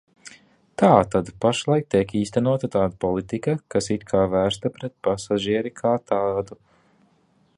Tātad pašlaik tiek īstenota tāda politika, kas it kā vērsta pret pasažieri kā tādu.